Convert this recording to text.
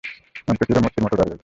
নর্তকীরা মূর্তির মত দাড়িয়ে যায়।